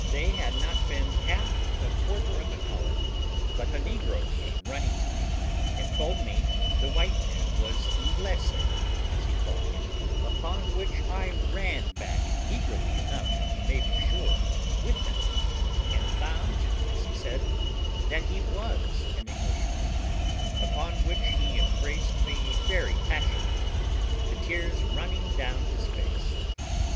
They had not been half a quarter of an hour, but a negro came running to me, and told me the white man was Inglese, as he called him; upon which I ran back, eagerly enough, you may be sure, with him, and found, as he said, that he was an Englishman; upon which he embraced me very passionately, the tears running down his face.